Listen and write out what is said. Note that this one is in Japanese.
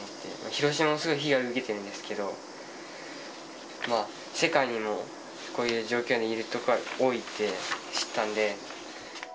広島もすごい被害を受けてるんですけど、まあ、世界にもこういう状況にいる人が多いって知ったんで。